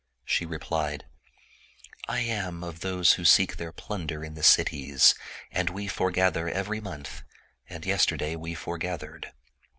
" She replied, " I am of those who seek their plunder in the cities, and we foregather every month; and yesterday we foregathered."